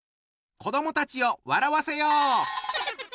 子どもたちを笑わせよう！